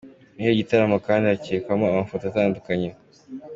Muri icyo gitaramo kandi, hazerekanwa amafoto atandukanye.